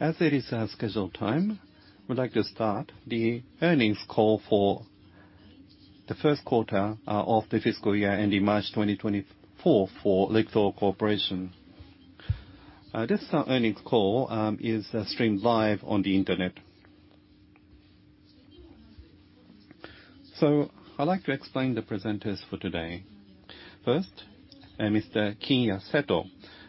As it is, scheduled time, we'd like to start the earnings call for the Q1 of the fiscal year ending March 2024 for LIXIL Corporation. This earnings call is streamed live on the internet. I'd like to explain the presenters for today. First, Mr. Kinya Seto,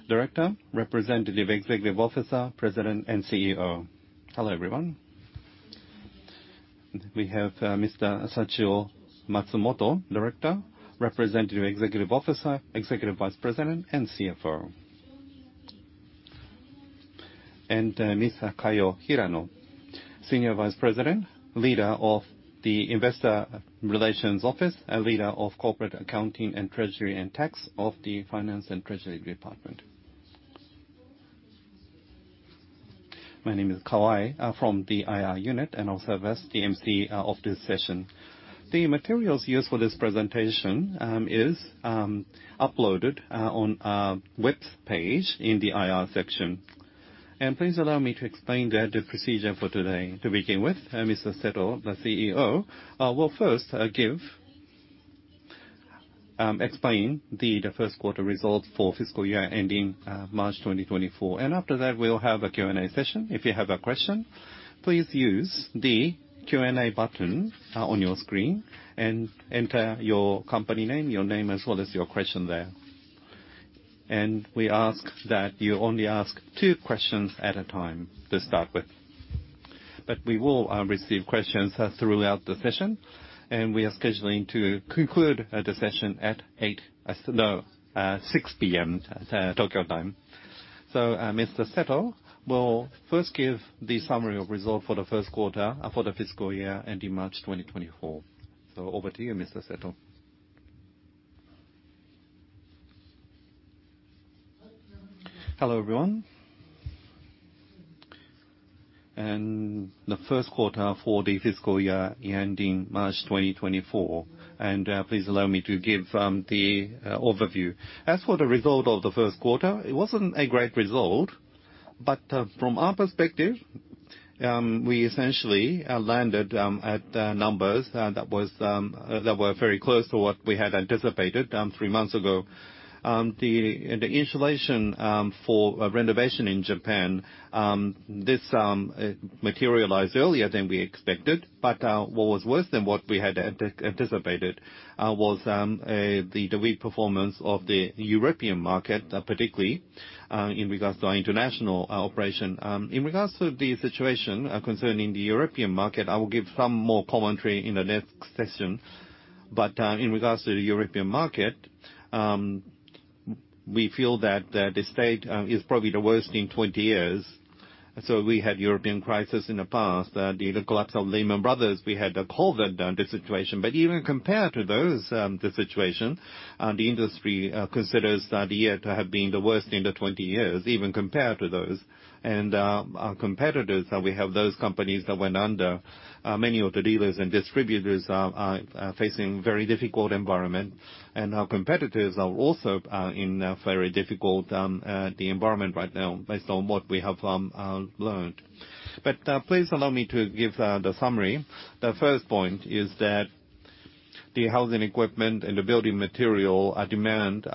Director, Representative Executive Officer, President, and CEO. Hello, everyone. We have Mr. Sachio Matsumoto, Director, Representative Executive Officer, Executive Vice President, and CFO. Ms. Kayo Hirano, Senior Vice President, leader of the Investor Relations Office and leader of Corporate Accounting and Treasury and Tax of the Finance and Treasury Department. My name is Kawai, from the IR unit, and I'll serve as the MC of this session. The materials used for this presentation is uploaded on our web page in the IR section. Please allow me to explain the procedure for today. To begin with, Mr. Seto, the CEO, will first explain the Q1 results for fiscal year ending March 2024. After that, we'll have a Q&A session. If you have a question, please use the Q&A button on your screen and enter your company name, your name, as well as your question there. We ask that you only ask 2 questions at a time to start with. We will receive questions throughout the session, and we are scheduling to conclude the session at 6:00 P.M. Tokyo time. Mr. Seto will first give the summary of result for the Q1 for the fiscal year ending March 2024. Over to you, Mr. Seto. Hello, everyone. The Q1 for the fiscal year ending March 2024, and please allow me to give the overview. As for the result of the Q1, it wasn't a great result, but from our perspective, we essentially landed at numbers that were very close to what we had anticipated three months ago. The installation for a renovation in Japan, this materialized earlier than we expected, but what was worse than what we had anticipated was the weak performance of the European market, particularly in regards to our international operation. In regards to the situation concerning the European market, I will give some more commentary in the next session. In regards to the European market, we feel that the state is probably the worst in 20 years. We had European crisis in the past, the collapse of Lehman Brothers, we had the COVID situation. Even compared to those, the situation, the industry considers the year to have been the worst in the 20 years, even compared to those. Our competitors, we have those companies that went under. Many of the dealers and distributors are facing very difficult environment, and our competitors are also in a very difficult environment right now, based on what we have learned. Please allow me to give the summary. The first point is that the housing equipment and the building material demand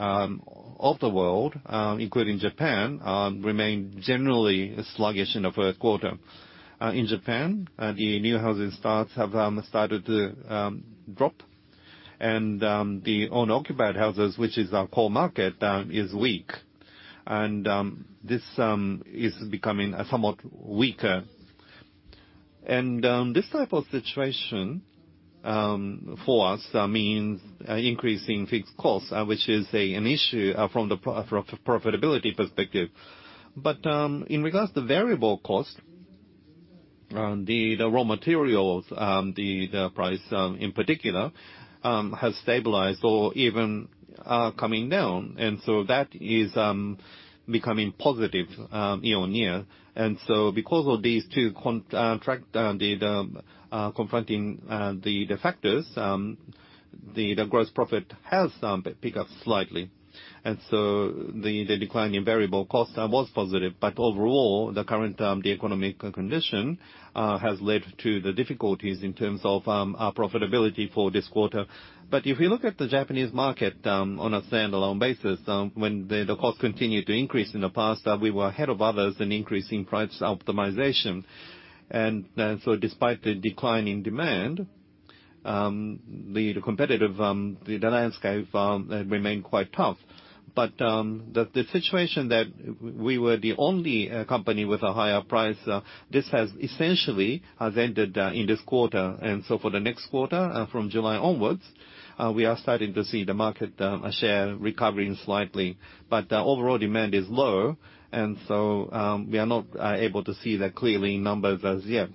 of the world, including Japan, remained generally sluggish in the Q1. In Japan, the new housing starts have started to drop, and the owner-occupied houses, which is our core market, is weak. This is becoming somewhat weaker. This type of situation for us means increasing fixed costs, which is an issue from profitability perspective. In regards to variable cost, the raw materials the price in particular has stabilized or even coming down. That is becoming positive year-on-year. Because of these two con, track, the, the, confronting, the, the factors, the, the gross profit has pick up slightly. The, the decline in variable cost was positive, but overall, the current economic condition has led to the difficulties in terms of our profitability for this quarter. If you look at the Japanese market, on a standalone basis, when the, the costs continued to increase in the past, we were ahead of others in increasing price optimization. Despite the decline in demand, the, the competitive, the landscape remained quite tough. The, the situation that we were the only company with a higher price, this has essentially has ended in this quarter. For the next quarter, from July onwards, we are starting to see the market share recovering slightly. The overall demand is low, and so, we are not able to see that clearly in numbers as yet.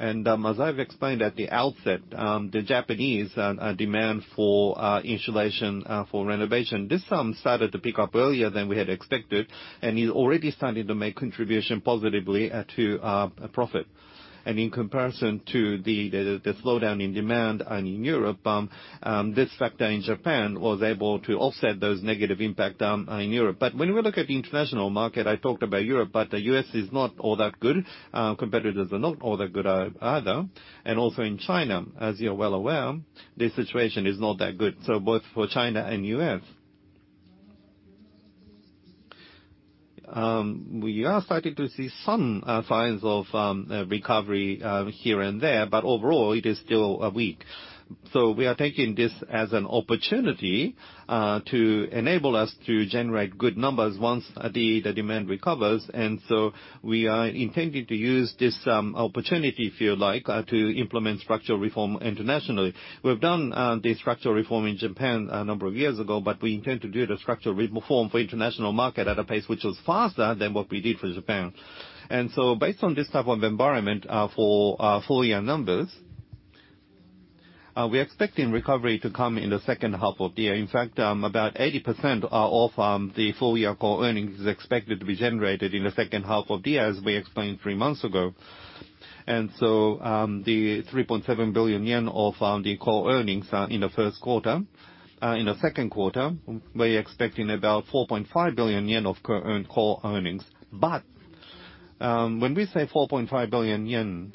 As I've explained at the outset, the Japanese demand for insulation, for renovation, this started to pick up earlier than we had expected, and is already starting to make contribution positively to profit. In comparison to the slowdown in demand in Europe, this factor in Japan was able to offset those negative impact in Europe. When we look at the international market, I talked about Europe, but the U.S. is not all that good. Competitors are not all that good either. Also in China, as you're well aware, the situation is not that good, both for China and U.S. We are starting to see some signs of recovery here and there, but overall it is still weak. We are taking this as an opportunity to enable us to generate good numbers once the demand recovers. We are intending to use this opportunity, if you like, to implement structural reform internationally. We've done the structural reform in Japan a number of years ago, but we intend to do the structural reform for international market at a pace which is faster than what we did for Japan. Based on this type of environment, for our full year numbers, we're expecting recovery to come in the second half of the year. In fact, about 80% are off, the full year core earnings is expected to be generated in the second half of the year, as we explained 3 months ago. The 3.7 billion yen of core earnings in the Q1, in the Q2, we're expecting about 4.5 billion yen of current core earnings. When we say 4.5 billion yen,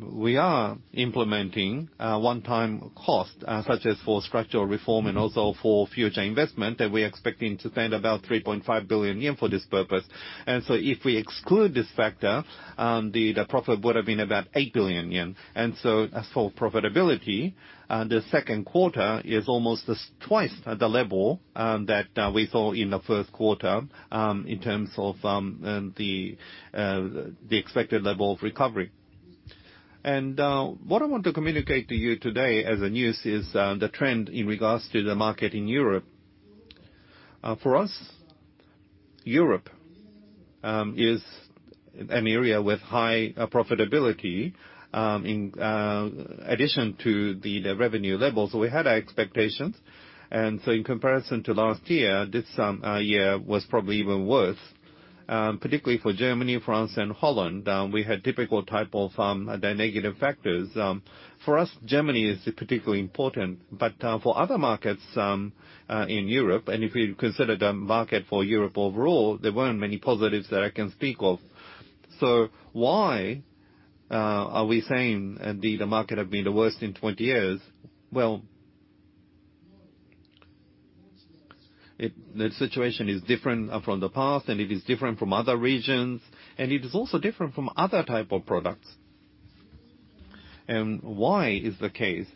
we are implementing one-time cost such as for structural reform and also for future investment, and we're expecting to spend about 3.5 billion yen for this purpose. If we exclude this factor, the profit would have been about 8 billion yen. As for profitability, the Q2 is almost twice the level that we saw in the Q1 in terms of the expected level of recovery. What I want to communicate to you today as a news is the trend in regards to the market in Europe. For us, Europe is an area with high profitability in addition to the revenue levels. We had our expectations, in comparison to last year, this year was probably even worse. Particularly for Germany, France, and Holland, we had difficult type of the negative factors. For us, Germany is particularly important, but for other markets in Europe, and if you consider the market for Europe overall, there weren't many positives that I can speak of. Why are we saying the market have been the worst in 20 years? The situation is different from the past, and it is different from other regions, and it is also different from other type of products. Why is the case?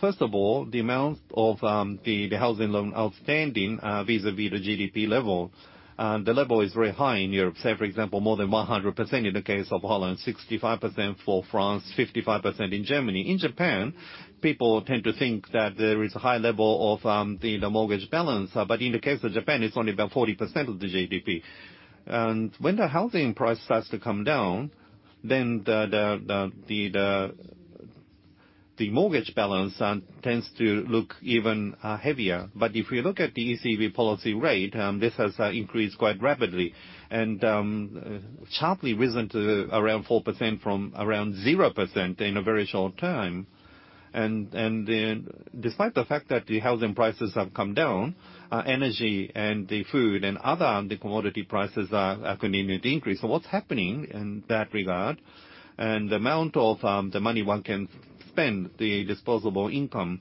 First of all, the amount of the housing loan outstanding, vis-à-vis the GDP level, the level is very high in Europe. Say, for example, more than 100% in the case of Holland, 65% for France, 55% in Germany. In Japan, people tend to think that there is a high level of, the, the mortgage balance, but in the case of Japan, it's only about 40% of the GDP. When the housing price starts to come down, then the, the, the, the, the, the mortgage balance, tends to look even, heavier. If you look at the ECB policy rate, this has, increased quite rapidly and, sharply risen to around 4% from around 0% in a very short time. Despite the fact that the housing prices have come down, energy and the food and other, the commodity prices are, are continuing to increase. What's happening in that regard, and the amount of the money one can spend, the disposable income,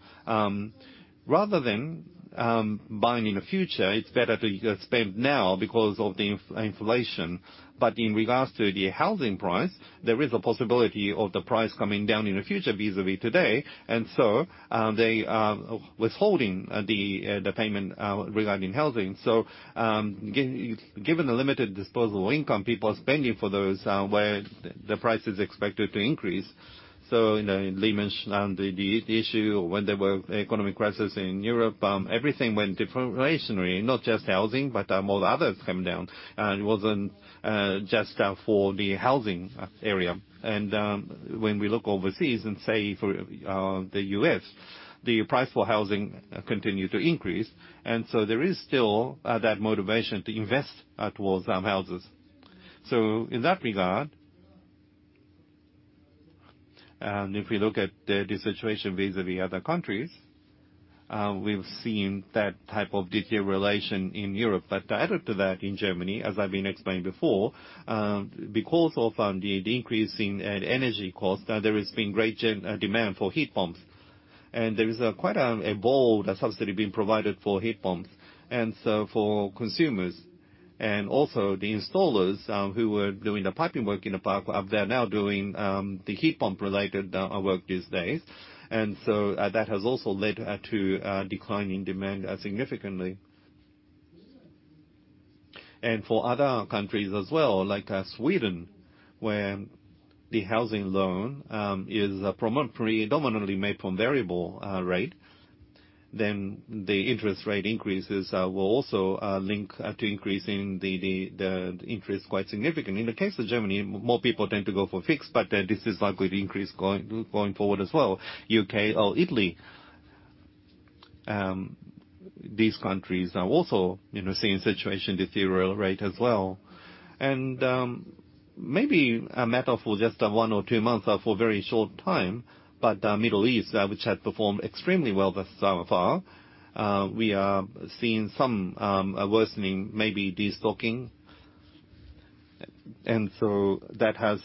rather than buying in the future, it's better to spend now because of the inflation. In regards to the housing price, there is a possibility of the price coming down in the future, vis-à-vis today, and so, they are withholding the payment regarding housing. Given the limited disposable income, people are spending for those where the price is expected to increase. You know, Lehman and the issue when there were economic crisis in Europe, everything went differentially, not just housing, but all the others come down. It wasn't just for the housing area. When we look overseas and say, for the US, the price for housing continued to increase, and so there is still that motivation to invest towards houses. In that regard, if we look at the situation vis-à-vis other countries, we've seen that type of deterioration in Europe. Added to that, in Germany, as I've been explaining before, because of the increase in energy costs, there has been great demand for heat pumps, and there is quite a bold subsidy being provided for heat pumps. For consumers and also the installers, who were doing the piping work in the past, they are now doing the heat pump-related work these days. That has also led to declining demand significantly. For other countries as well, like Sweden, where the housing loan is pre-predominantly made from variable rate, then the interest rate increases will also link to increasing the, the, the interest quite significantly. In the case of Germany, m-more people tend to go for fixed, but this is likely to increase going, going forward as well. UK or Italy, these countries are also, you know, seeing situation deteriorate as well. Maybe a matter for just one or two months for a very short time, but Middle East, which had performed extremely well thus, so far, we are seeing some worsening, maybe destocking-... That has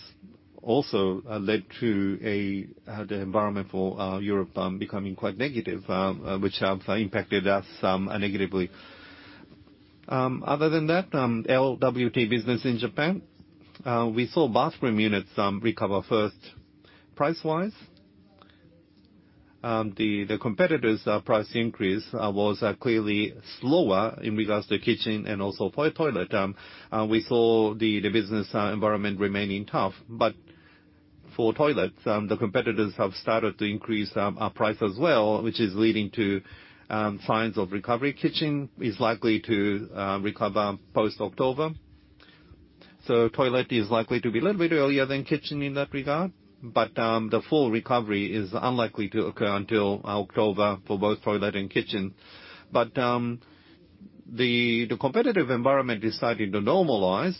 also led to a the environment for Europe becoming quite negative, which have impacted us negatively. Other than that, LWT business in Japan, we saw bathroom units recover first. Price-wise, the competitors price increase was clearly slower in regards to kitchen and also for toilet. We saw the business environment remaining tough, but for toilets, the competitors have started to increase our price as well, which is leading to signs of recovery. Kitchen is likely to recover post-October. Toilet is likely to be a little bit earlier than kitchen in that regard, but the full recovery is unlikely to occur until October for both toilet and kitchen. The competitive environment is starting to normalize.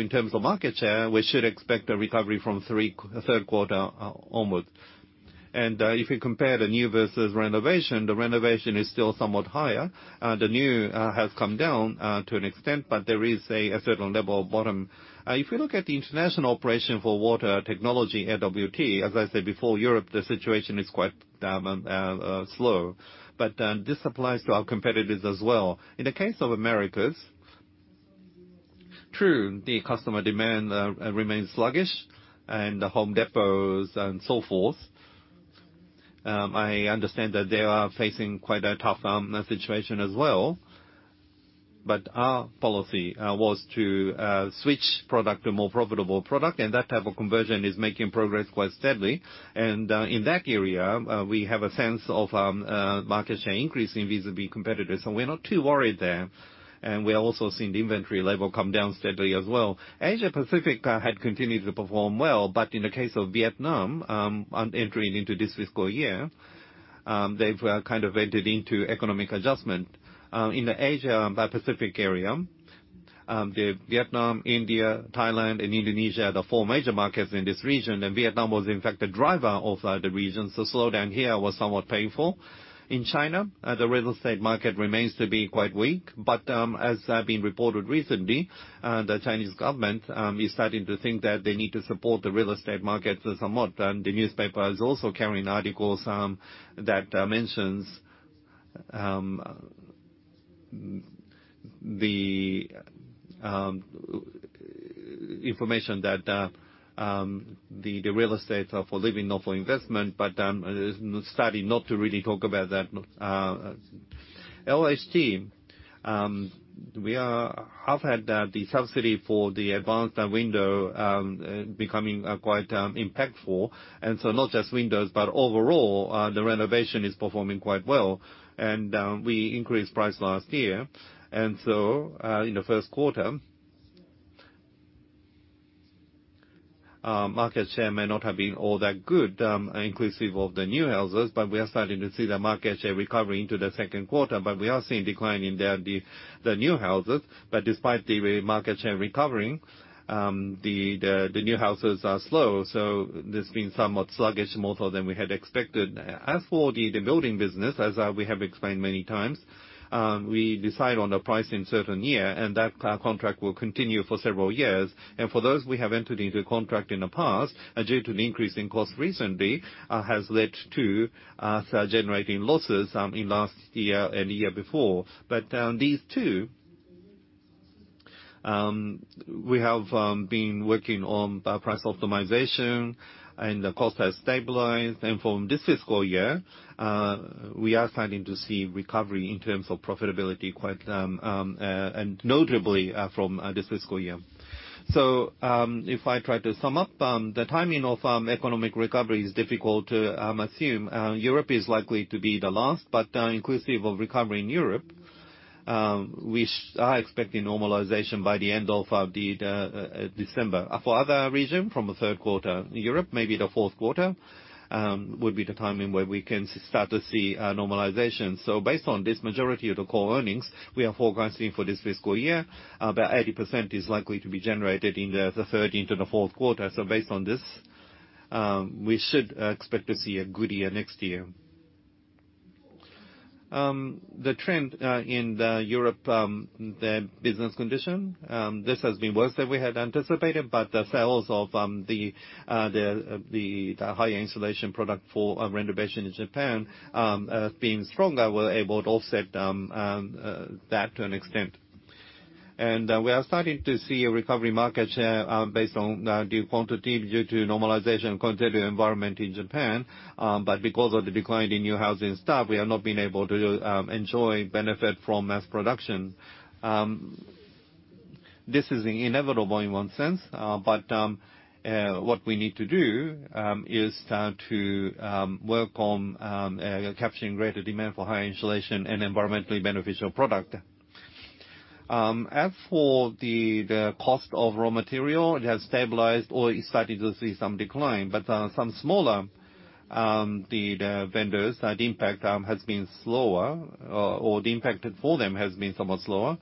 In terms of market share, we should expect a recovery from third quarter onwards. If you compare the new versus renovation, the renovation is still somewhat higher, and the new has come down to an extent, but there is a certain level of bottom. If you look at the international operation for water technology, LWT, as I said before, Europe, the situation is quite slow. This applies to our competitors as well. In the case of Americas, true, the customer demand remains sluggish, and the Home Depots and so forth, I understand that they are facing quite a tough situation as well. Our policy was to switch product to more profitable product, and that type of conversion is making progress quite steadily. In that area, we have a sense of market share increase in vis-a-vis competitors, so we're not too worried there. We are also seeing the inventory level come down steadily as well. Asia Pacific had continued to perform well, but in the case of Vietnam, on entering into this fiscal year, they've kind of entered into economic adjustment. In the Asia and Pacific area, the Vietnam, India, Thailand, and Indonesia are the four major markets in this region, and Vietnam was in fact the driver of the region, so slowdown here was somewhat painful. In China, the real estate market remains to be quite weak, but as been reported recently, the Chinese government is starting to think that they need to support the real estate market somewhat. The newspaper is also carrying articles that mentions the information that the real estate are for living, not for investment, but starting not to really talk about that. LHT, we have had the subsidy for the advanced window becoming quite impactful. Not just windows, but overall, the renovation is performing quite well. We increased price last year, in the Q1, market share may not have been all that good, inclusive of the new houses, but we are starting to see the market share recovering to the Q2. We are seeing decline in the, the, the new houses. Despite the market share recovering, the, the, the new houses are slow, so this being somewhat sluggish, more so than we had expected. As for the, the building business, as we have explained many times, we decide on the price in certain year, and that contract will continue for several years. For those, we have entered into a contract in the past, and due to the increase in cost recently, has led to us generating losses in last year and the year before. These two, we have been working on price optimization, and the cost has stabilized. From this fiscal year, we are starting to see recovery in terms of profitability quite, and notably, from this fiscal year. If I try to sum up, the timing of economic recovery is difficult to assume. Europe is likely to be the last, but inclusive of recovery in Europe, we are expecting normalization by the end of December. For other region, from the third quarter, Europe, maybe the fourth quarter, would be the timing where we can start to see normalization. Based on this, majority of the core earnings we are forecasting for this fiscal year, about 80% is likely to be generated in the third into the fourth quarter. Based on this, we should expect to see a good year next year. The trend in the Europe, the business condition, this has been worse than we had anticipated. The sales of the high insulation product for renovation in Japan, being stronger, were able to offset that to an extent. We are starting to see a recovery market share, based on due quantity, due to normalization, continued environment in Japan. Because of the decline in new housing start, we have not been able to enjoy benefit from mass production. This is inevitable in one sense, what we need to do is to work on capturing greater demand for high insulation and environmentally beneficial product. As for the cost of raw material, it has stabilized or is starting to see some decline, but some smaller vendors, the impact has been slower, or the impact for them has been somewhat slower,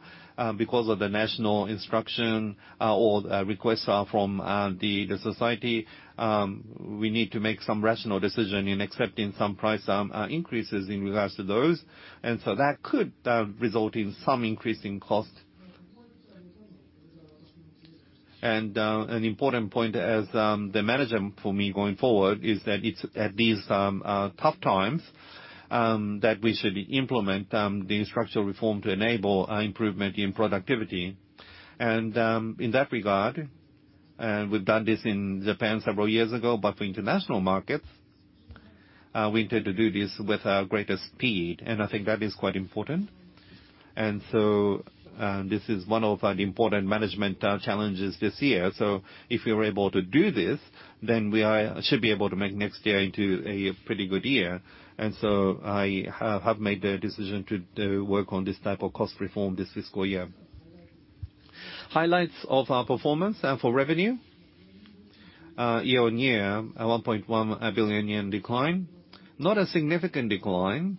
because of the national instruction or requests from the society. We need to make some rational decision in accepting some price increases in regards to those. That could result in some increase in cost. An important point as the management for me going forward, is that it's at these tough times that we should implement the structural reform to enable improvement in productivity. In that regard, we've done this in Japan several years ago, but for international markets, we tend to do this with greater speed, and I think that is quite important. This is one of our important management challenges this year. If we are able to do this, then we should be able to make next year into a pretty good year. I have made the decision to work on this type of cost reform this fiscal year. Highlights of our performance for revenue, year-on-year, a 1.1 billion yen decline. Not a significant decline,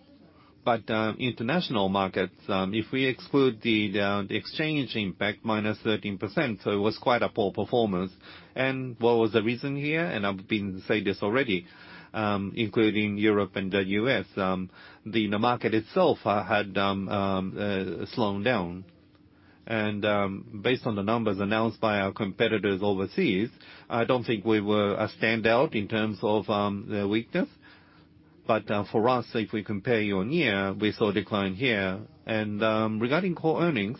but international markets, if we exclude the exchange impact, minus 13%, so it was quite a poor performance. What was the reason here? I've been say this already, including Europe and the U.S., the market itself had slowed down. Based on the numbers announced by our competitors overseas, I don't think we were a standout in terms of the weakness. For us, if we compare year-on-year, we saw a decline here. Regarding core earnings,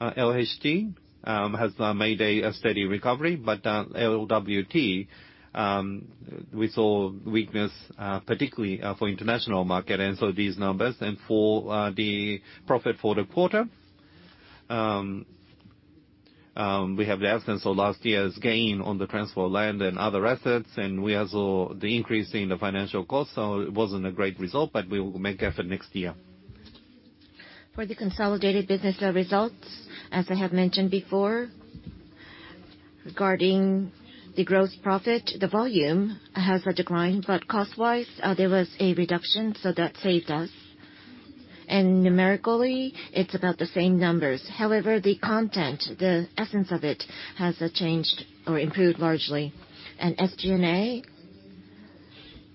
LHT has made a steady recovery, but LWT we saw weakness particularly for international market, and so these numbers. For the profit for the quarter, we have the absence of last year's gain on the transfer of land and other assets, and we also, the increase in the financial cost, it wasn't a great result, but we will make effort next year. For the consolidated business results, as I have mentioned before, regarding the gross profit, the volume has a decline, but cost-wise, there was a reduction, so that saved us. Numerically, it's about the same numbers. However, the content, the essence of it, has changed or improved largely. SG&A,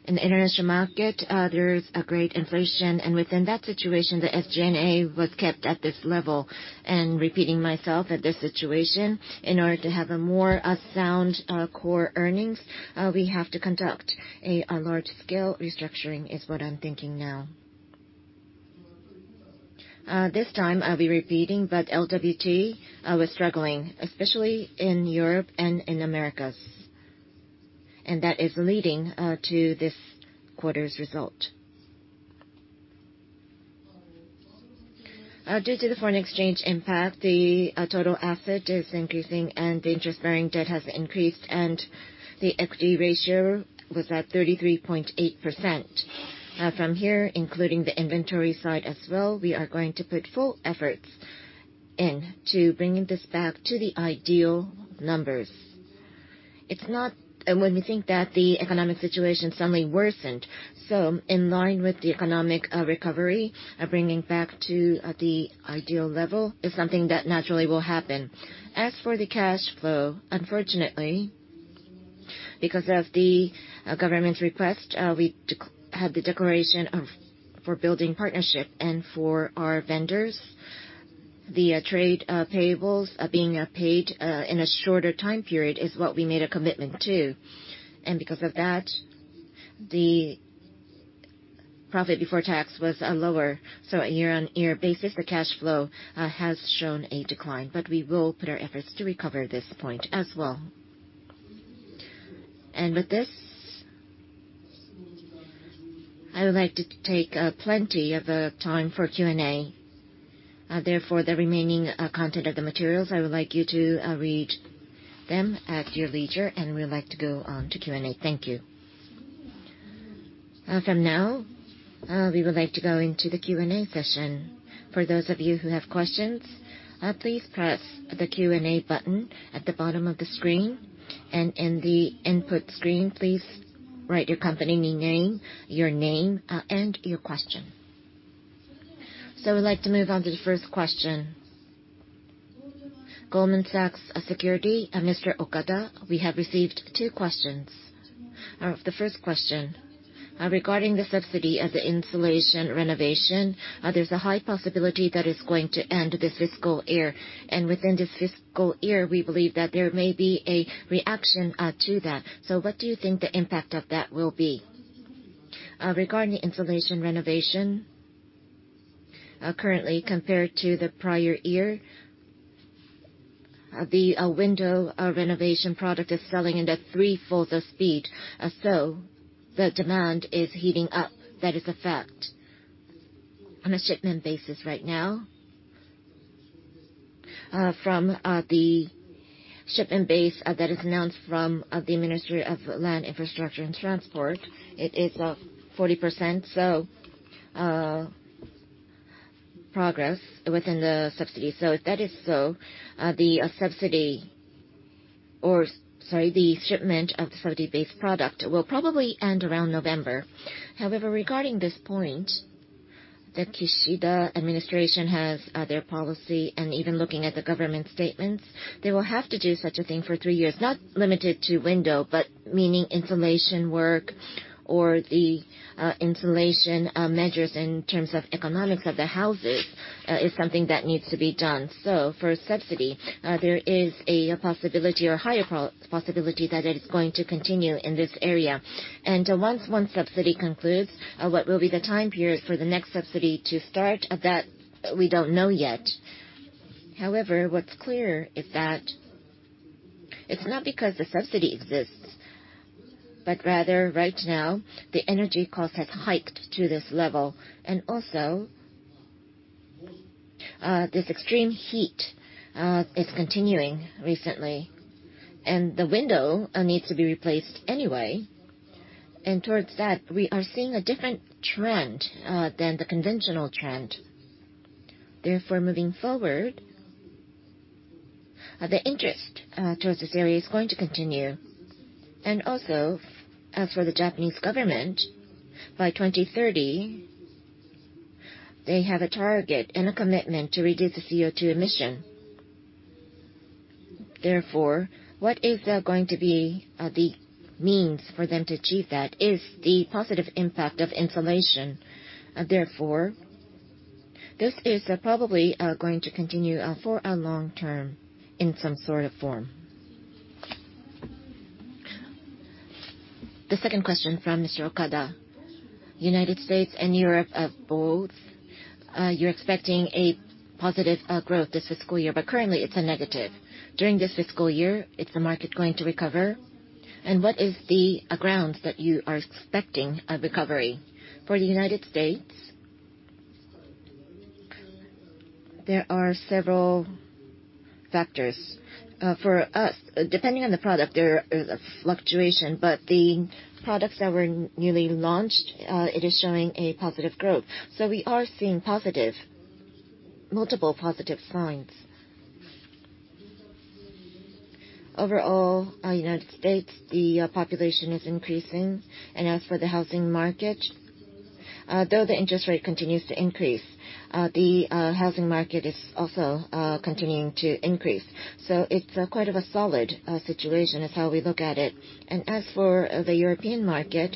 in the international market, there's a great inflation, and within that situation, the SG&A was kept at this level. Repeating myself, at this situation, in order to have a more sound core earnings, we have to conduct a large-scale restructuring, is what I'm thinking now. This time, I'll be repeating, but LWT was struggling, especially in Europe and in Americas, and that is leading to this quarter's result. Due to the foreign exchange impact, the total asset is increasing and the interest-bearing debt has increased, and the equity ratio was at 33.8%. From here, including the inventory side as well, we are going to put full efforts in to bringing this back to the ideal numbers. It's not when we think that the economic situation suddenly worsened, so in line with the economic recovery, bringing back to the ideal level is something that naturally will happen. As for the cash flow, unfortunately, because of the government's request, we have the Declaration of Partnership for building partnership. For our vendors, the trade payables are being paid in a shorter time period, is what we made a commitment to. Because of that, the profit before tax was lower. Year-on-year basis, the cash flow has shown a decline, but we will put our efforts to recover this point as well. With this, I would like to take plenty of time for Q&A. Therefore, the remaining content of the materials, I would like you to read them at your leisure, and we would like to go to Q&A. Thank you. From now, we would like to go into the Q&A session. For those of you who have questions, please press the Q&A button at the bottom of the screen, and in the input screen, please write your company name, your name, and your question. I would like to move on to the first question. Goldman Sachs Securities, Mr. Okada, we have received two questions. The first question, regarding the subsidy of the insulation renovation, there's a high possibility that it's going to end this fiscal year. Within this fiscal year, we believe that there may be a reaction, to that. What do you think the impact of that will be? Regarding the insulation renovation, currently, compared to the prior year, the window renovation product is selling at a threefold the speed. The demand is heating up. That is effect on a shipment basis right now. From the shipment base that is announced from the Ministry of Land, Infrastructure and Transport, it is 40%, so progress within the subsidy. If that is so, the subsidy or, sorry, the shipment of the subsidy-based product will probably end around November. However, regarding this point...... the Kishida administration has their policy, and even looking at the government statements, they will have to do such a thing for three years, not limited to window, but meaning insulation work or the insulation measures in terms of economics of the houses is something that needs to be done. For subsidy, there is a possibility or higher possibility that it is going to continue in this area. Once one subsidy concludes, what will be the time period for the next subsidy to start? That we don't know yet. However, what's clear is that it's not because the subsidy exists, but rather right now, the energy cost has hiked to this level, and also, this extreme heat is continuing recently, and the window needs to be replaced anyway. Towards that, we are seeing a different trend than the conventional trend. Therefore, moving forward, the interest towards this area is going to continue. As for the Japanese government, by 2030, they have a target and a commitment to reduce the CO2 emission. Therefore, what is going to be the means for them to achieve that is the positive impact of insulation. Therefore, this is probably going to continue for a long term in some sort of form. The second question from Mr. Okada. United States and Europe, both, you're expecting a positive growth this fiscal year, but currently it's a negative. During this fiscal year, is the market going to recover? What is the grounds that you are expecting a recovery? For the United States, there are several factors. For us, depending on the product, there is a fluctuation, but the products that were newly launched, it is showing a positive growth. We are seeing positive, multiple positive signs. Overall, United States, the population is increasing, and as for the housing market, though the interest rate continues to increase, the housing market is also continuing to increase. It's quite of a solid situation, is how we look at it. As for the European market,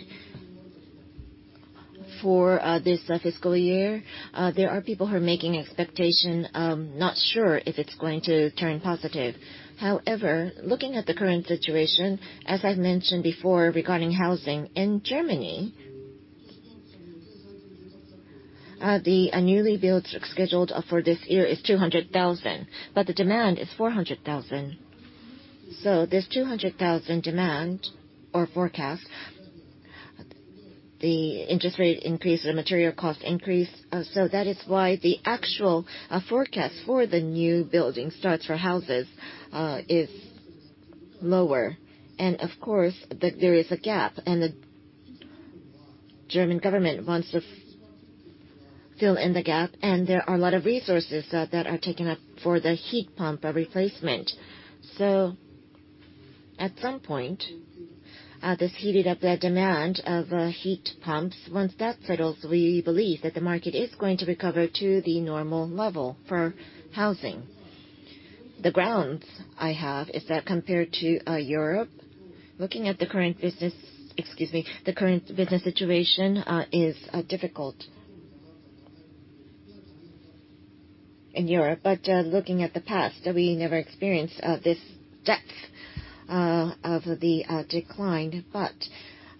for this fiscal year, there are people who are making expectation, not sure if it's going to turn positive. However, looking at the current situation, as I've mentioned before, regarding housing in Germany, the newly built scheduled for this year is 200,000, but the demand is 400,000. This 200,000 demand or forecast, the interest rate increase and material cost increase, that is why the actual forecast for the new building starts for houses is lower. Of course, the- there is a gap, and the German government wants to fill in the gap, and there are a lot of resources that are taken up for the heat pump replacement. At some point, this heated up the demand of heat pumps. Once that settles, we believe that the market is going to recover to the normal level for housing. The grounds I have is that compared to Europe, looking at the current business, excuse me, the current business situation, is difficult in Europe. Looking at the past, we never experienced this depth of the decline.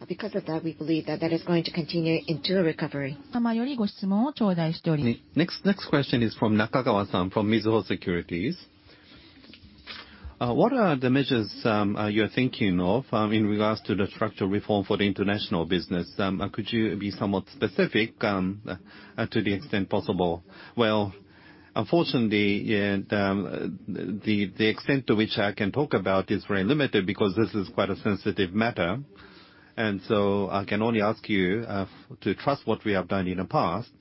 Because of that, we believe that that is going to continue into a recovery. Next, next question is from Nakagawa-san, from Mizuho Securities. What are the measures you're thinking of in regards to the structural reform for the international business? Could you be somewhat specific to the extent possible? Well, unfortunately, yeah, the, the, the extent to which I can talk about is very limited because this is quite a sensitive matter. So I can only ask you to trust what we have done in the past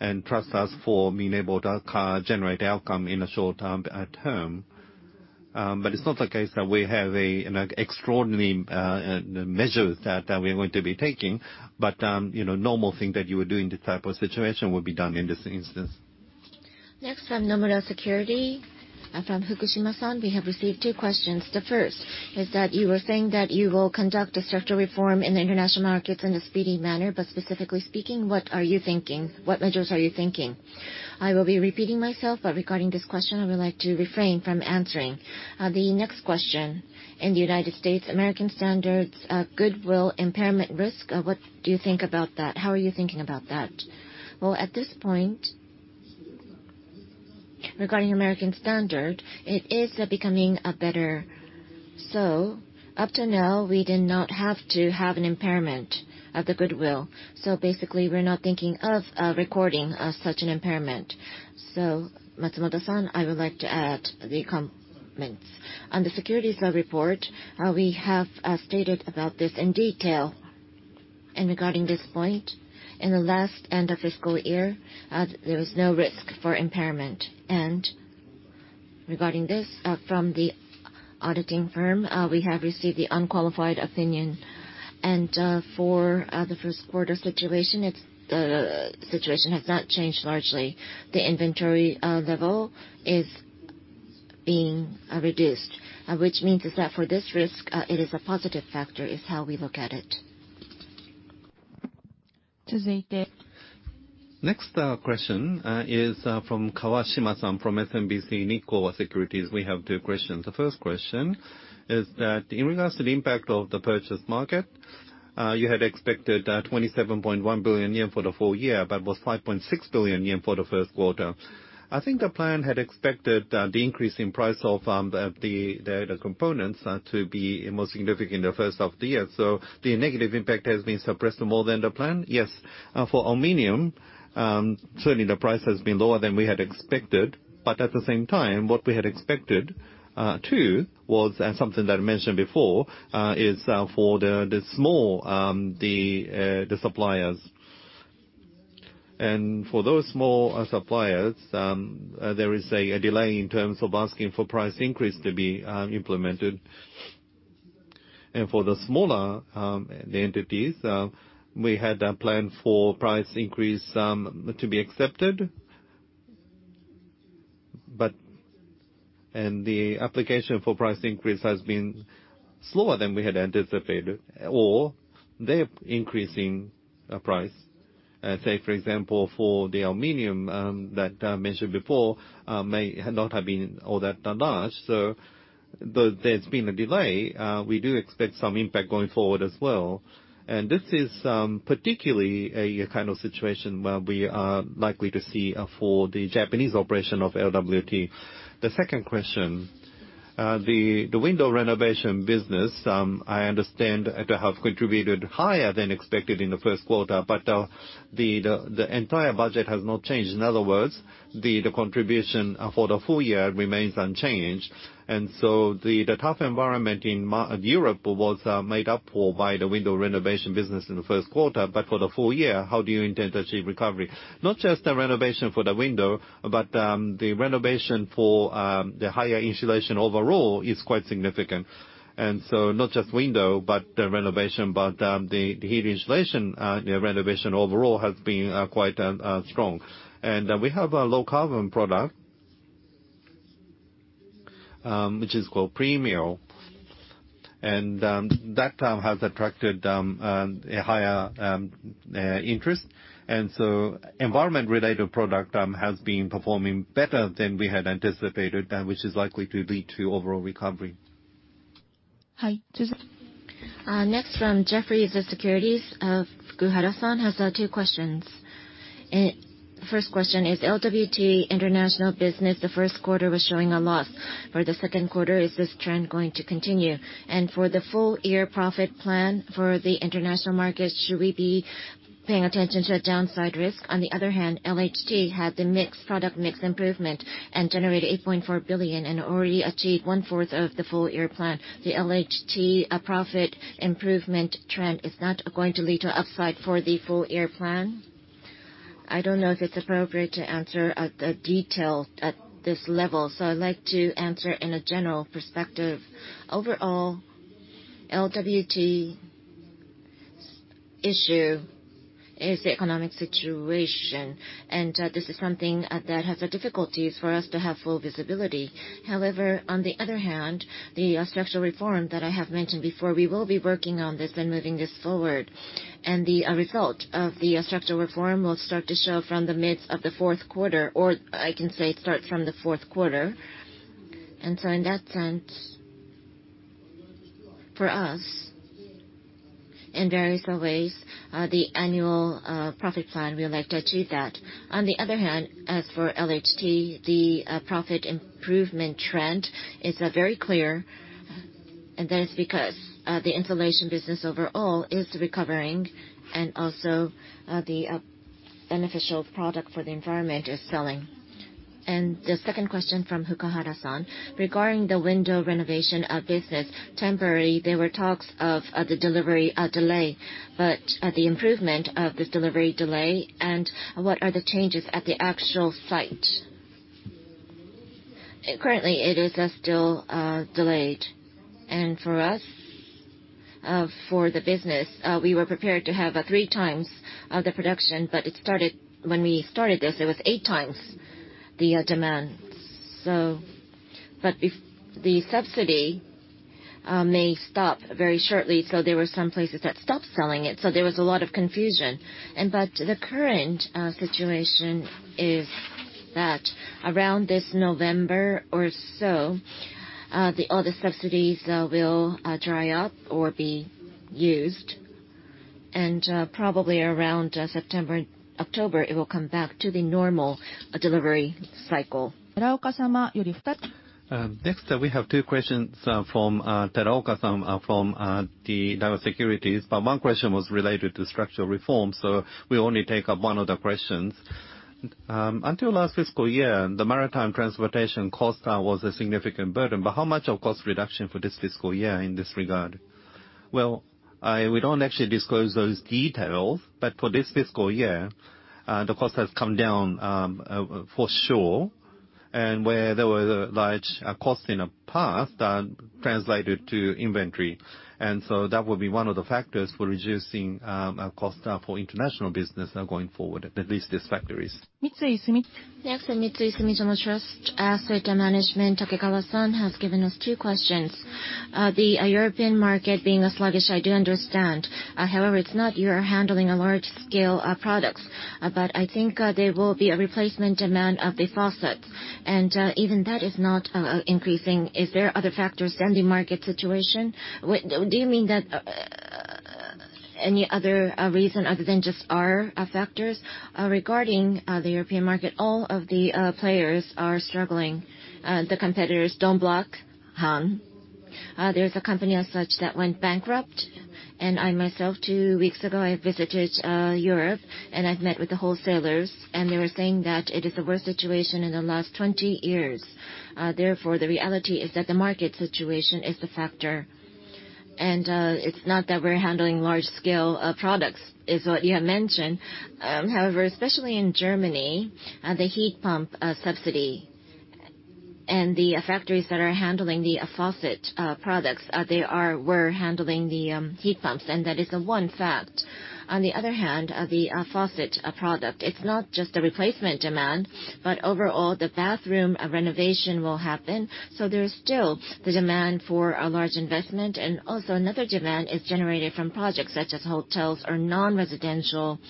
and trust us for being able to generate outcome in the short term, term. It's not the case that we have a, an extraordinary measure that, that we're going to be taking. You know, normal thing that you would do in this type of situation will be done in this instance. Next, from Nomura Securities, from Fukushima-san, we have received two questions. The first is that you were saying that you will conduct a structural reform in the international markets in a speedy manner, but specifically speaking, what are you thinking? What measures are you thinking? I will be repeating myself, but regarding this question, I would like to refrain from answering. The next question: in the United States, American Standard goodwill, impairment risk, what do you think about that? How are you thinking about that? Well, at this point, regarding American Standard, it is becoming a better. Up to now, we did not have to have an impairment of the goodwill. Basically, we're not thinking of recording such an impairment. Matsumoto-san, I would like to add the comments. On the securities report, we have stated about this in detail, and regarding this point, in the last end of fiscal year, there was no risk for impairment. Regarding this, from the auditing firm, we have received the unqualified opinion. For the Q1 situation, it's the situation has not changed largely. The inventory level is being reduced, which means is that for this risk, it is a positive factor, is how we look at it. To take it. Next, question is from Kawashima-san from SMBC Nikko Securities. We have two questions. The first question is that in regards to the impact of the purchase market, you had expected 27.1 billion yen for the full year, but was 5.6 billion yen for the Q1. I think the plan had expected the increase in price of the components to be more significant in the first half of the year. The negative impact has been suppressed more than the plan? Yes. For aluminum, certainly the price has been lower than we had expected. At the same time, what we had expected too, was, and something that I mentioned before, is for the small suppliers. For those small suppliers, there is a delay in terms of asking for price increase to be implemented. For the smaller entities, we had a plan for price increase to be accepted. The application for price increase has been slower than we had anticipated, or their increasing price, say for example, for the aluminum, that mentioned before, may not have been all that large. Though there's been a delay, we do expect some impact going forward as well. This is particularly a kind of situation where we are likely to see for the Japanese operation of LWT. The second question, the, the window renovation business, I understand to have contributed higher than expected in the Q1, but the, the, the entire budget has not changed. In other words, the, the contribution for the full year remains unchanged. The, the tough environment in Europe was made up for by the window renovation business in the Q1. For the full year, how do you intend to achieve recovery? Not just the renovation for the window, but the renovation for the higher insulation overall is quite significant. Not just window, but the renovation, but the, the heat insulation, the renovation overall has been quite strong. We have a low carbon product, which is called PremiAL, and that has attracted a higher interest. Environment-related product has been performing better than we had anticipated, which is likely to lead to overall recovery. Hi, Susan. Next from Jefferies, the securities of Fukuhara-san has 2 questions. First question, is LWT international business, the 1st quarter was showing a loss. For the 2nd quarter, is this trend going to continue? For the full year profit plan for the international markets, should we be paying attention to downside risk? On the other hand, LHT had the mixed, product mix improvement and generated 8.4 billion and already achieved 1/4 of the full year plan. The LHT profit improvement trend is not going to lead to upside for the full year plan? I don't know if it's appropriate to answer at detail at this level, so I'd like to answer in a general perspective. Overall, LWT issue is the economic situation, and this is something that has a difficulties for us to have full visibility. However, on the other hand, the structural reform that I have mentioned before, we will be working on this and moving this forward. The result of the structural reform will start to show from the mid of the fourth quarter, or I can say start from the fourth quarter. In that sense, for us, in various ways, the annual profit plan, we would like to achieve that. On the other hand, as for LHT, the profit improvement trend is very clear, and that is because the insulation business overall is recovering and also the beneficial product for the environment is selling. The second question from Fukuhara-san: Regarding the window renovation business, temporarily, there were talks of the delivery delay, the improvement of this delivery delay, and what are the changes at the actual site? Currently, it is still delayed. For us, for the business, we were prepared to have 3 times of the production, it started, when we started this, it was 8 times the demand. If the subsidy may stop very shortly, there were some places that stopped selling it, there was a lot of confusion. The current situation is that around this November or so, all the subsidies will dry up or be used. Probably around September, October, it will come back to the normal delivery cycle. Next, we have two questions from Teruoka-san from Daiwa Securities. One question was related to structural reform, so we only take one of the questions. Until last fiscal year, the maritime transportation cost was a significant burden, but how much of cost reduction for this fiscal year in this regard? Well, I, we don't actually disclose those details, but for this fiscal year, the cost has come down for sure, and where there were large costs in the past that translated to inventory. That would be one of the factors for reducing cost for international business going forward, at least these factories. Mitsui Sumi. Next, the Sumitomo Mitsui Trust Asset Management, Takegawa-san, has given us 2 questions. The European market being sluggish, I do understand. However, it's not you are handling a large-scale of products, but I think there will be a replacement demand of the faucets, and even that is not increasing. Is there other factors than the market situation? What, do you mean that any other reason other than just our factors? Regarding the European market, all of the players are struggling. The competitors Dornbracht. There's a company as such that went bankrupt, and I myself, 2 weeks ago, I visited Europe, and I've met with the wholesalers, and they were saying that it is the worst situation in the last 20 years. Therefore, the reality is that the market situation is the factor. It's not that we're handling large scale products, is what you have mentioned. However, especially in Germany, the heat pump subsidy and the factories that are handling the faucet products, they are, were handling the heat pumps, and that is the one fact. On the other hand, the faucet product, it's not just a replacement demand, but overall the bathroom renovation will happen. There is still the demand for a large investment. Also, another demand is generated from projects such as hotels or non-residential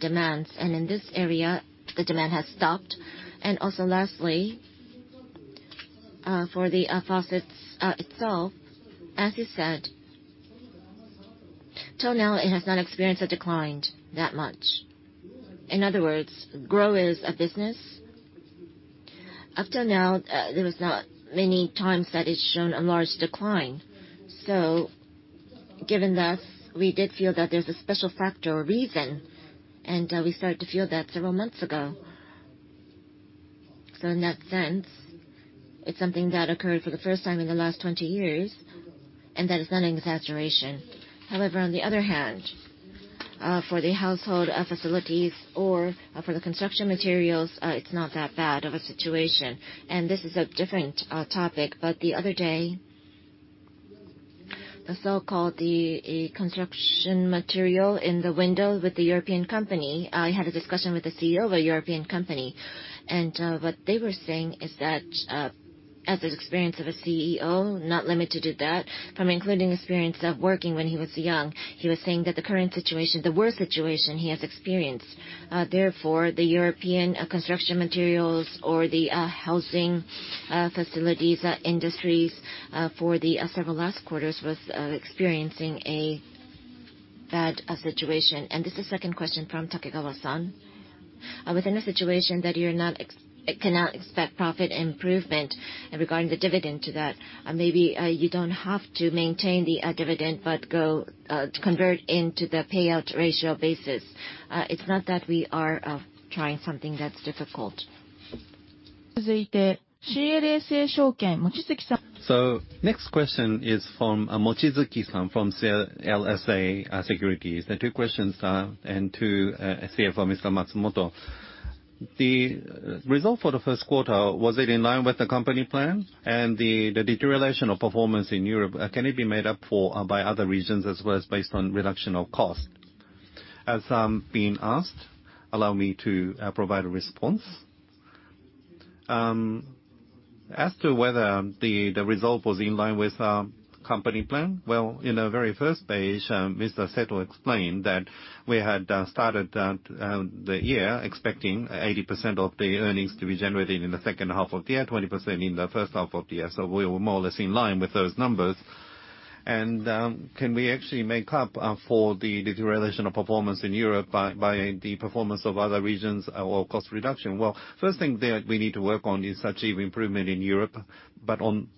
demands. In this area, the demand has stopped. Lastly, for the faucets itself, as you said, till now, it has not experienced a decline that much. In other words, GROHE is a business. Up till now, there was not many times that it's shown a large decline. Given that, we did feel that there's a special factor or reason, and we started to feel that several months ago. In that sense, it's something that occurred for the first time in the last 20 years, and that is not an exaggeration. However, on the other hand, for the household facilities or for the construction materials, it's not that bad of a situation, and this is a different topic. The other day, the so-called the construction material in the window with the European company, I had a discussion with the CEO of a European company, and what they were saying is that as an experience of a CEO, not limited to that, from including experience of working when he was young, he was saying that the current situation, the worst situation he has experienced. Therefore, the European construction materials or the housing facilities industries for the several last quarters was experiencing a bad situation. This is second question from Takekawa-san. Within a situation that you're not cannot expect profit improvement regarding the dividend to that, maybe, you don't have to maintain the dividend, but go convert into the payout ratio basis. It's not that we are trying something that's difficult. Next question is from Mochizuki-san from CLSA Securities. The 2 questions are, and to CEO for Mr. Matsumoto. The result for the Q1, was it in line with the company plan? The, the deterioration of performance in Europe, can it be made up for by other regions as well as based on reduction of cost? As I'm being asked, allow me to provide a response. As to whether the result was in line with our company plan, well, in the very first page, Mr. Seto explained that we had started the year expecting 80% of the earnings to be generated in the second half of the year, 20% in the first half of the year. We were more or less in line with those numbers. Can we actually make up for the deterioration of performance in Europe by the performance of other regions or cost reduction? Well, first thing that we need to work on is achieve improvement in Europe. On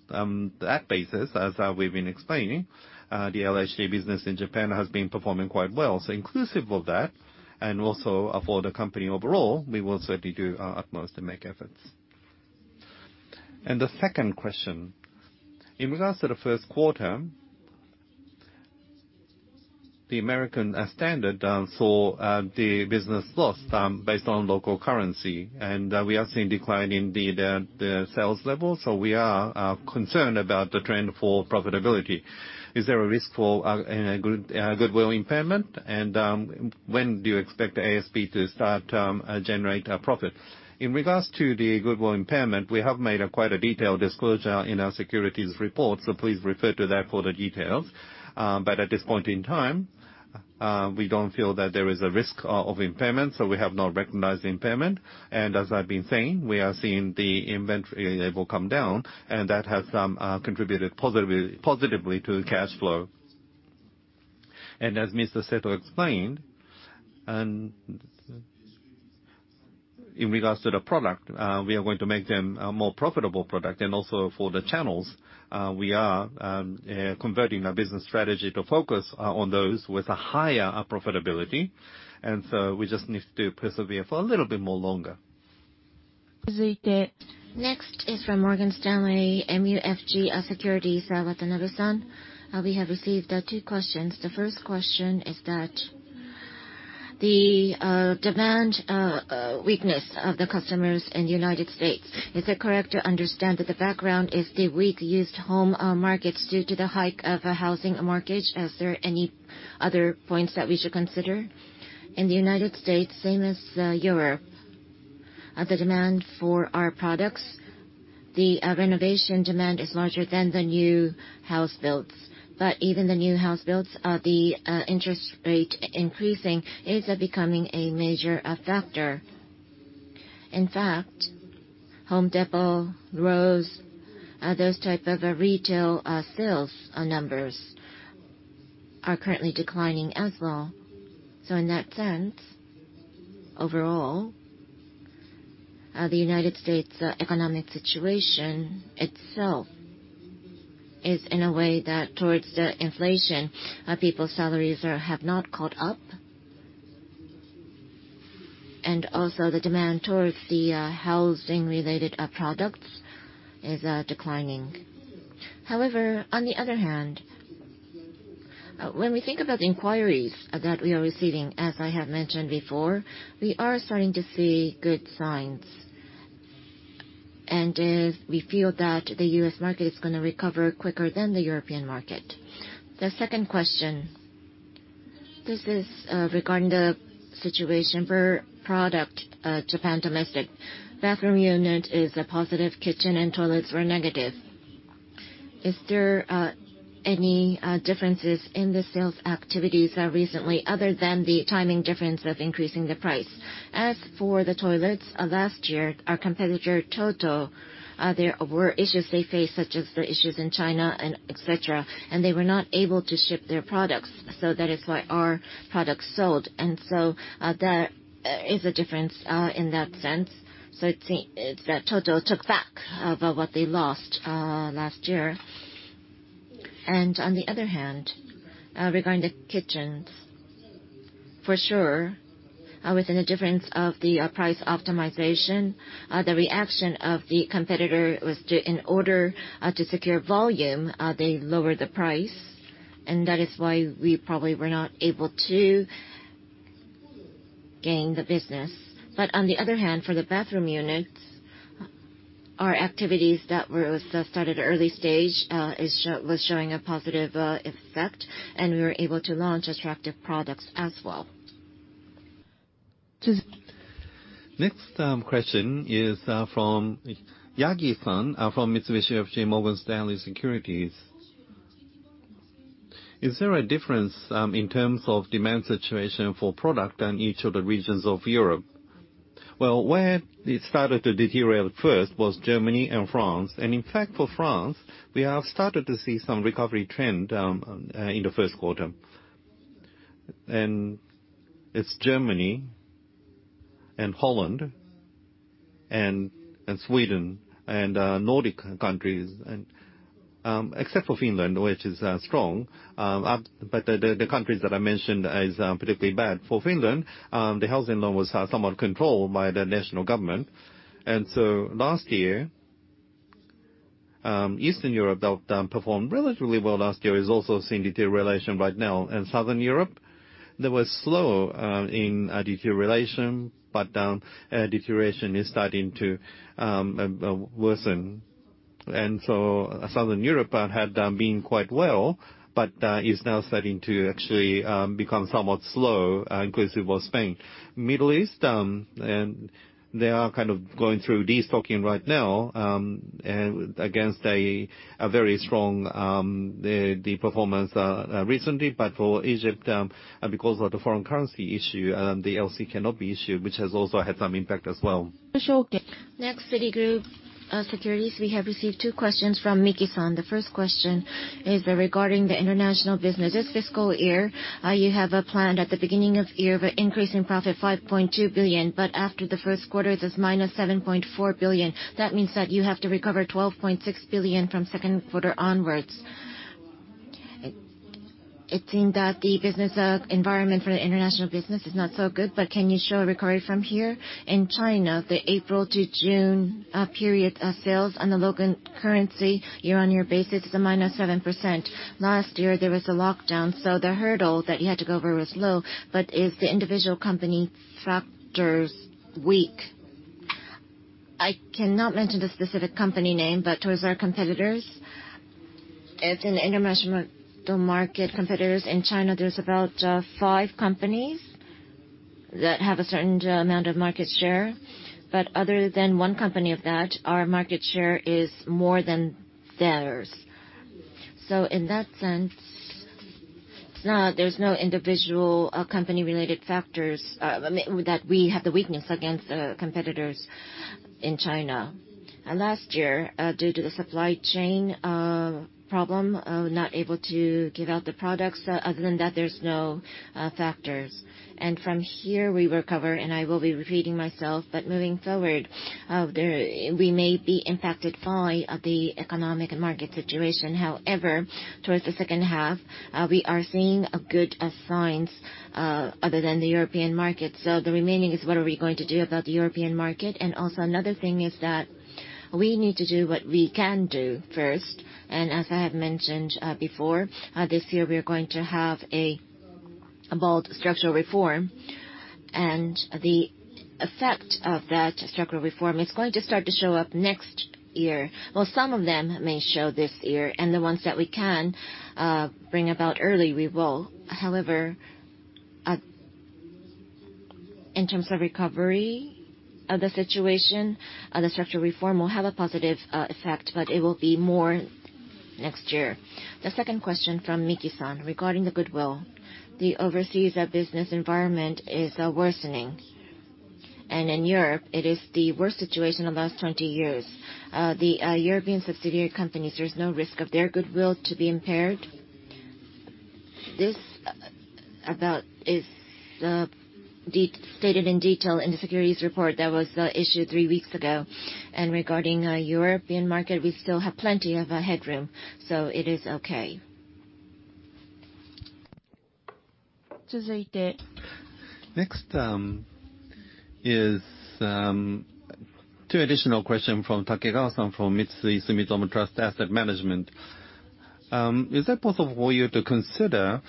that basis, as we've been explaining, the LHT business in Japan has been performing quite well. Inclusive of that, and also for the company overall, we will certainly do our utmost to make efforts. The second question: in regards to the Q1, the American Standard saw the business loss based on local currency, and we are seeing decline in the sales level, so we are concerned about the trend for profitability. Is there a risk for in a good goodwill impairment? When do you expect the ASP to start generate a profit? In regards to the goodwill impairment, we have made a quite a detailed disclosure in our securities report, so please refer to that for the details. But at this point in time, we don't feel that there is a risk of impairment, so we have not recognized the impairment. As I've been saying, we are seeing the inventory level come down, and that has contributed positively, positively to the cash flow. As Mr. Seto explained, and in regards to the product, we are going to make them a more profitable product. Also for the channels, we are converting our business strategy to focus on those with a higher profitability, and so we just need to persevere for a little bit more longer. Next is from Morgan Stanley MUFG Securities, Watanabe-san. We have received 2 questions. The first question is that the demand weakness of the customers in United States, is it correct to understand that the background is the weak used home markets due to the hike of a housing mortgage? Is there any other points that we should consider? In the United States, same as Europe, the demand for our products, the renovation demand is larger than the new house builds. Even the new house builds, the interest rate increasing is becoming a major factor. In fact, Home Depot grows, those type of retail sales numbers are currently declining as well. In that sense, overall, the United States economic situation itself is in a way that towards the inflation, people's salaries have not caught up. Also, the demand towards the housing-related products is declining. On the other hand, when we think about the inquiries that we are receiving, as I have mentioned before, we are starting to see good signs. We feel that the U.S. market is gonna recover quicker than the European market. The second question, this is regarding the situation per product, Japan domestic. Bathroom unit is a positive, kitchen and toilets were negative. Is there any differences in the sales activities recently, other than the timing difference of increasing the price? As for the toilets last year, our competitor, Toto, there were issues they faced, such as the issues in China and et cetera, and they were not able to ship their products. That is why our products sold, and there is a difference in that sense. It seem- Toto took back about what they lost last year. On the other hand, regarding the kitchens, for sure, within the difference of the price optimization, the reaction of the competitor was to, in order to secure volume, they lowered the price, and that is why we probably were not able to gain the business. On the other hand, for the bathroom units, our activities that were started early stage, was showing a positive effect, and we were able to launch attractive products as well. Next, question is from Yagi-san, from Mitsubishi UFJ Morgan Stanley Securities. Is there a difference in terms of demand situation for product in each of the regions of Europe? Well, where it started to deteriorate first was Germany and France. In fact, for France, we have started to see some recovery trend in the Q1. It's Germany and Holland and Sweden and Nordic countries, and except for Finland, which is strong. The, the, the countries that I mentioned is particularly bad. For Finland, the housing loan was somewhat controlled by the national government. Last year, Eastern Europe, that performed relatively well last year, is also seeing deterioration right now. In Southern Europe, they were slow in deterioration, but deterioration is starting to worsen. Southern Europe had been quite well, but is now starting to actually become somewhat slow, inclusive of Spain. Middle East, they are kind of going through destocking right now, and against a very strong the performance recently. For Egypt, because of the foreign currency issue, the LC cannot be issued, which has also had some impact as well. Citigroup Securities. We have received 2 questions from Miki-san. The first question is regarding the international business. This fiscal year, you have planned at the beginning of year of an increase in profit 5.2 billion, but after the Q1, it is -7.4 billion. That means that you have to recover 12.6 billion from Q2 onwards. It seem that the business environment for the international business is not so good, but can you show a recovery from here? In China, the April to June period, sales on the local currency, year-on-year basis is a -7%. Last year, there was a lockdown, so the hurdle that you had to go over was low, but is the individual company factors weak? I cannot mention the specific company name, but towards our competitors, it's in the international market, competitors in China, there's about 5 companies that have a certain amount of market share. Other than 1 company of that, our market share is more than theirs. In that sense, it's not, there's no individual company-related factors, I mean, that we have the weakness against competitors in China. Last year, due to the supply chain problem, not able to give out the products. Other than that, there's no factors. From here, we recover, and I will be repeating myself, but moving forward, we may be impacted by the economic and market situation. Towards the second half, we are seeing good signs, other than the European market. The remaining is what are we going to do about the European market? Also another thing is that. We need to do what we can do first, and as I have mentioned before, this year we are going to have a bold structural reform, and the effect of that structural reform is going to start to show up next year. Some of them may show this year, and the ones that we can bring about early, we will. However, in terms of recovery of the situation, the structural reform will have a positive effect, but it will be more next year. The second question from Miki-san, regarding the goodwill. The overseas business environment is worsening, and in Europe, it is the worst situation in the last 20 years. The European subsidiary companies, there's no risk of their goodwill to be impaired? This about is stated in detail in the securities report that was issued 3 weeks ago. Regarding our European market, we still have plenty of headroom. It is okay. Next, is 2 additional question from Takegawa-san, from Sumitomo Mitsui Trust Asset Management. Is it possible for you to consider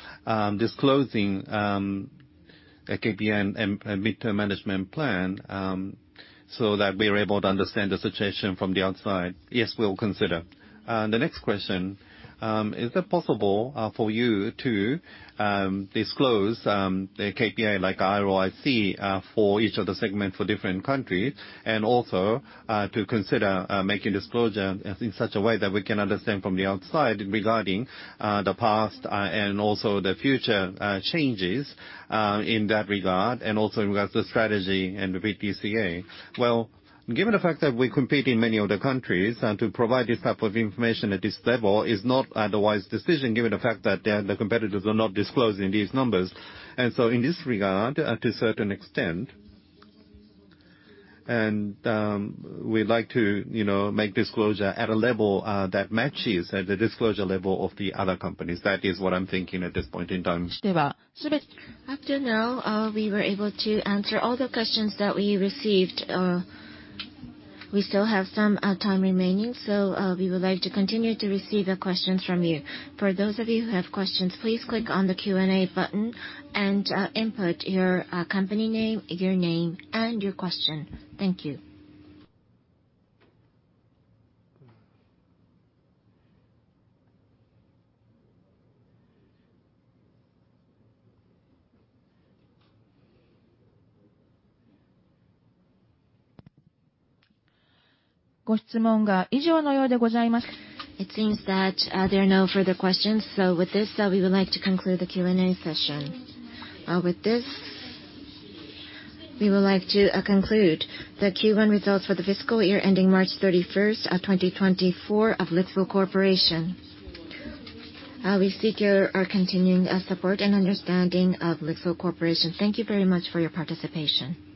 disclosing a KPI and midterm management plan so that we're able to understand the situation from the outside? Yes, we'll consider. The next question: Is it possible for you to disclose the KPI, like ROIC, for each of the segments for different countries, and also to consider making disclosure in such a way that we can understand from the outside regarding the past and also the future changes in that regard, and also in regards to strategy and the BTC? Well, given the fact that we compete in many other countries, to provide this type of information at this level is not a wise decision, given the fact that the, the competitors are not disclosing these numbers. In this regard, to a certain extent, we'd like to, you know, make disclosure at a level that matches the disclosure level of the other companies. That is what I'm thinking at this point in time. Up to now, we were able to answer all the questions that we received. We still have some time remaining, so we would like to continue to receive the questions from you. For those of you who have questions, please click on the Q&A button and input your company name, your name, and your question. Thank you. It seems that there are no further questions, so with this, we would like to conclude the Q&A session. With this, we would like to conclude the Q1 results for the fiscal year ending March 31st of 2024 of LIXIL Corporation. We seek your, our continuing support and understanding of LIXIL Corporation. Thank you very much for your participation.